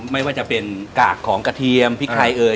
ไม่ว่าจะเป็นกากของกระเทียมพริกไทยเอ่ย